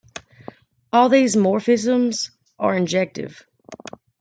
All these morphisms are injective.